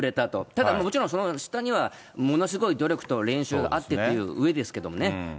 ただ、もちろんその下には、ものすごい努力と練習があってといううえですけどね。